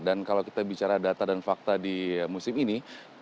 dan kalau kita bicara data dan fakta di musim ini